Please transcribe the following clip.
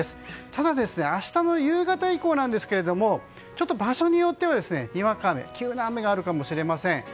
ただ、明日の夕方以降なんですがちょっと場所によってはにわか雨急な雨があるかもしれません。